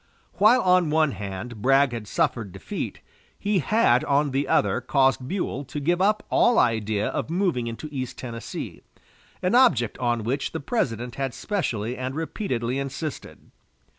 While on one hand Bragg had suffered defeat, he had on the other caused Buell to give up all idea of moving into East Tennessee, an object on which the President had specially and repeatedly insisted.